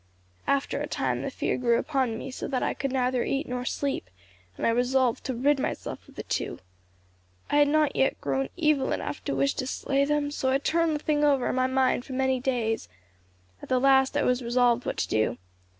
After a time the fear grew upon me so that I could neither eat nor sleep, and I resolved to rid myself of the two. I had not yet grown evil enough to wish to slay them, so I turned the thing over in my mind for many days; at the last I was resolved what to do.